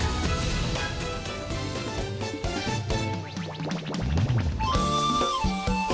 ขอบคุณทุกคน